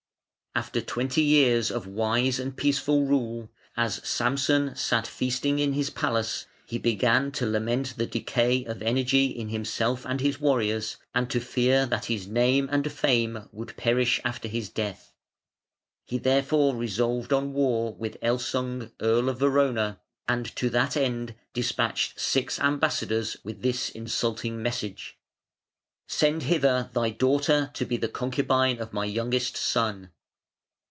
After twenty years of wise and peaceful rule, as Samson sat feasting in his palace he began to lament the decay of energy in himself and his warriors, and to fear that his name and fame would perish after his death. He therefore resolved on war with Elsung, Earl of Verona, and to that end despatched six ambassadors with this insulting message: "Send hither thy daughter to be the concubine of my youngest son.